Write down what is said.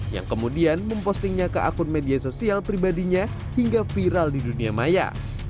yang kemudian mempostingnya ke akun media sosial pribadinya hingga viral di dunia maya